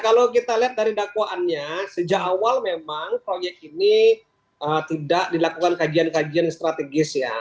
kalau kita lihat dari dakwaannya sejak awal memang proyek ini tidak dilakukan kajian kajian strategis ya